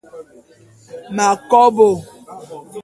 M'akobô.